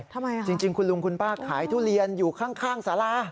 ทำไมอ่ะจริงคุณลุงคุณป้าขายทุเรียนอยู่ข้างสารา